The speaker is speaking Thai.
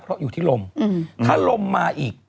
เพราะอยู่ที่ลมถ้าลมมาอีก